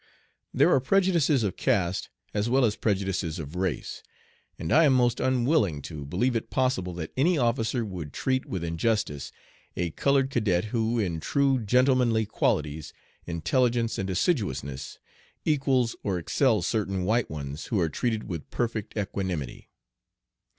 There are prejudices of caste as well as prejudices of race, and I am most unwilling to believe it possible that any officer would treat with injustice a colored cadet who in true gentlemanly qualities, intelligence, and assiduousness equals or excels certain white ones who are treated with perfect equanimity.